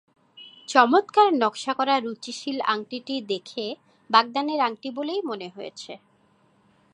চমত্কার নকশা করা রুচিশীল আংটিটি দেখে বাগদানের আংটি বলেই মনে হয়েছে।